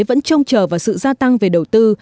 vẫn trông chờ vào sự gia tăng về đầu tư